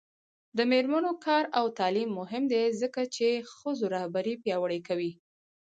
د میرمنو کار او تعلیم مهم دی ځکه چې ښځو رهبري پیاوړې کوي.